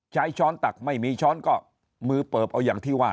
ช้อนตักไม่มีช้อนก็มือเปิบเอาอย่างที่ว่า